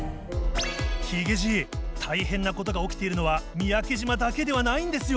ヒゲじい大変なことが起きているのは三宅島だけではないんですよ。